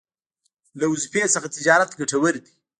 له وظيفې څخه تجارت ګټور دی